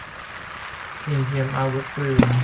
สิ่งเทียมอาวุธปืน